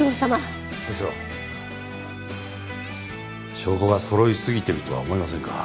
証拠がそろいすぎてるとは思いませんか？